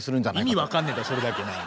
意味分かんねえんだそれだけなあ。